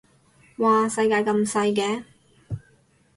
嘩世界咁細嘅